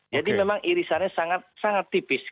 memang irisannya sangat tipis